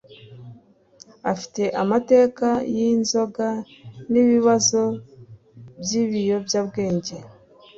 afite amateka yinzoga nibibazo byibiyobyabwenge.